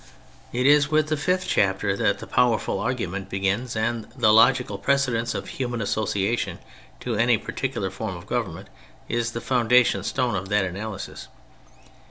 It is with the fifth chapter that the powerful argument begins, and the logical precedence of human association to any particular form of government is the founda tion stone of that analysis.